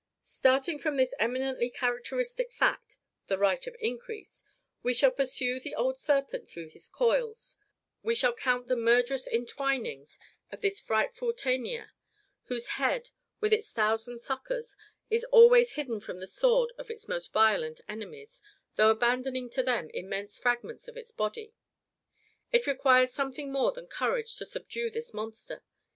Starting from this eminently characteristic fact the RIGHT OF INCREASE we shall pursue the old serpent through his coils; we shall count the murderous entwinings of this frightful taenia, whose head, with its thousand suckers, is always hidden from the sword of its most violent enemies, though abandoning to them immense fragments of its body. It requires something more than courage to subdue this monster.